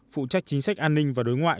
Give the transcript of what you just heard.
phụ trách chính sách an ninh và đối ngoại